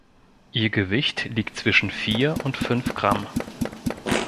Ihr Gewicht liegt zwischen vier und fünf Gramm.